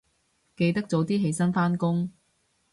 記得早啲起身返工